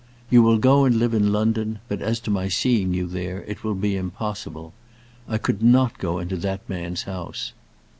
You will go and live in London; but as to my seeing you there, it will be impossible. I could not go into that man's house."